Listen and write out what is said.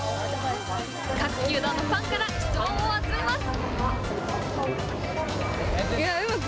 各球団のファンから質問を集めます。